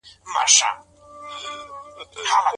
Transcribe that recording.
ايا موږ هم هغوی ته امان ورکوو؟